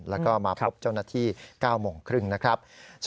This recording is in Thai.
แล้วก็มาพบเจ้าหน้าที่๙โมงครึ่งนะครับ